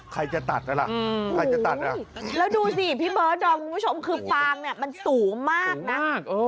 ใครจะตัดน่ะล่ะใครจะตัดน่ะแล้วดูสิพี่เบิร์ดอ๋อคุณผู้ชมคือฟางเนี้ยมันสูงมากน่ะสูงมากโอ้